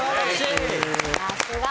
さすが。